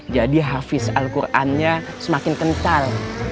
jadi harfiz al qurannya semakin kental